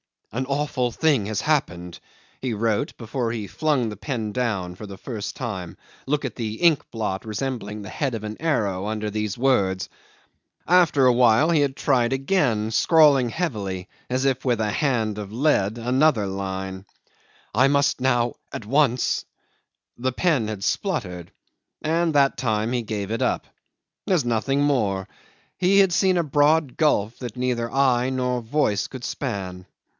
"An awful thing has happened," he wrote before he flung the pen down for the first time; look at the ink blot resembling the head of an arrow under these words. After a while he had tried again, scrawling heavily, as if with a hand of lead, another line. "I must now at once ..." The pen had spluttered, and that time he gave it up. There's nothing more; he had seen a broad gulf that neither eye nor voice could span.